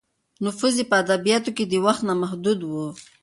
نفوذ یې په ادبیاتو کې د وخت نه محدود و.